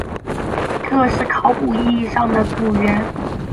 一个是考古意义上的族源。